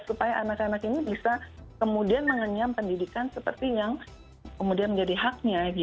supaya anak anak ini bisa kemudian mengenyam pendidikan seperti yang kemudian menjadi haknya